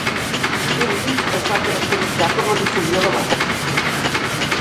Corint es va caracteritzar per la difusió de l'art.